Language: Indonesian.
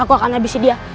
aku akan habisi dia